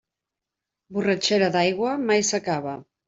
Borratxera d'aigua, mai s'acaba.